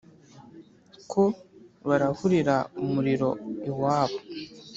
ko barahurira umuriro iwabo